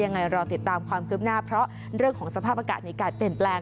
รอติดตามความคืบหน้าเพราะเรื่องของสภาพอากาศมีการเปลี่ยนแปลง